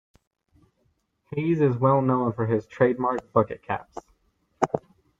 Hayes is well known for his trademark bucket caps.